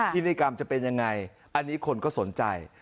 พิธีกรรมจะเป็นยังไงอันนี้คนก็สนใจ